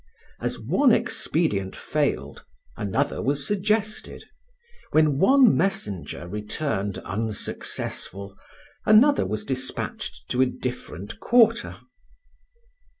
As one expedient failed, another was suggested; when one messenger returned unsuccessful, another was despatched to a different quarter.